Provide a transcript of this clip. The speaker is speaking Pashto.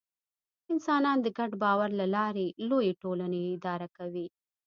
انسانان د ګډ باور له لارې لویې ټولنې اداره کوي.